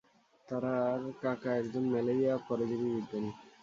তাঁর কাকা একজন ম্যালেরিয়া পরজীবীবিজ্ঞানী।